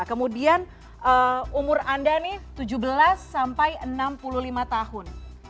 kemudian umur anda nih tujuh belas sampai enam puluh lima tahun